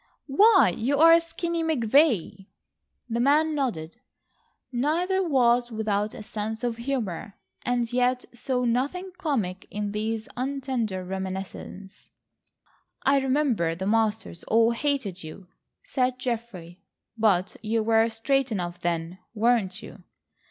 "Why, you are Skinny McVay." The man nodded. Neither was without a sense of humour, and yet saw nothing comic in these untender reminiscences. "I remember the masters all hated you," said Geoffrey, "but you were straight enough then, weren't you?"